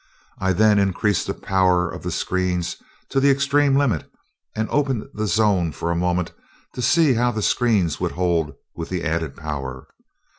"I then increased the power of the screens to the extreme limit and opened the zone for a moment to see how the screens would hold with the added power.